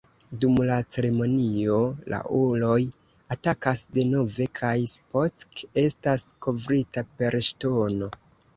Dum la ceremonio, la uloj atakas denove, kaj Spock estas kovrita per ŝtono.